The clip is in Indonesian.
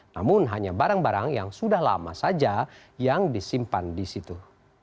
namun hanya barang barang yang sudah lama saja yang disimpan di situ